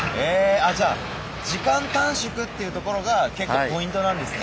あっじゃあ時間短縮っていうところが結構ポイントなんですね。